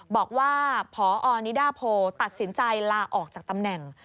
บอกว่าพอนิดาโพตัดสินใจลาออกจากตำแหน่ง